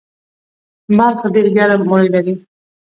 بلخ ډیر ګرم اوړی لري